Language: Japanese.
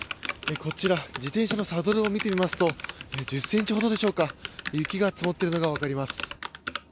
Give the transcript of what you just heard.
こちら自転車のサドルを見てみますと１０ｃｍほどでしょうか雪が積もっているのが分かります。